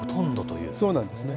そうなんですね。